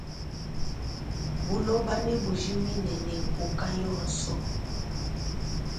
Buloba ne bujimine ne nkuka yonso.